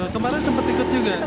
kemarin sempat ikut juga